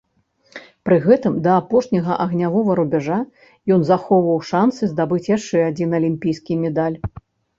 Пры гэтым, да апошняга агнявога рубяжа ён захоўваў шанцы здабыць яшчэ адзін алімпійскі медаль.